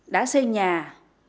đá xây nhà xây bờ ngõ